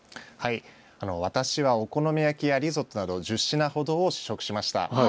私はお好み焼きやリゾットなど１０品ほどを試食しました。